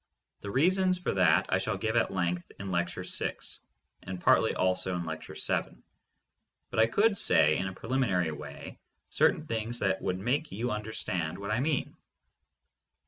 The reasons for that I shall give at length in Lecture VI, and partly also in Lecture VII, but I could say in a preliminary way certain things that would 512 THE MONIST. make you understand what I mean.